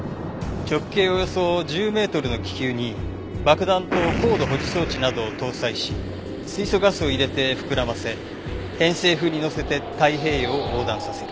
直径およそ１０メートルの気球に爆弾と高度保持装置などを搭載し水素ガスを入れて膨らませ偏西風に乗せて太平洋を横断させる。